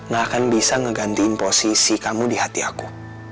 nah akan bisa ngegantiin posisi kamu di hati aku